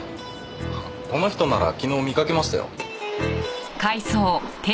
この人なら昨日見かけましたよ。